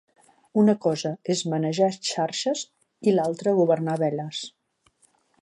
Una cosa és manejar xarxes i l'altra governar veles.